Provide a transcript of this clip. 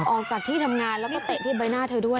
ออกจากที่ทำงานแล้วก็เตะที่ใบหน้าเธอด้วย